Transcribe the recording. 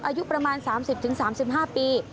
อายุประมาณ๓๐๓๕ปี